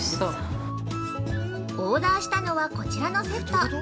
◆オーダーしたのは、こちらのセット。